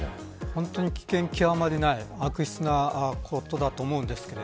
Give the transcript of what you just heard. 本当に危険極まりない悪質な行為だと思います。